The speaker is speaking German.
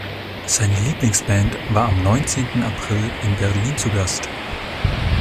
Seine Lieblingsband war am neunzehnten April in Berlin zu Gast.